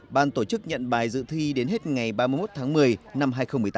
ban tổ chức nhận bài dự thi đến hết ngày ba mươi một tháng một mươi năm hai nghìn một mươi tám